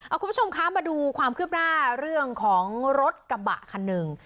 คุณผู้ชมคะมาดูความคืบหน้าเรื่องของรถกระบะคันหนึ่ง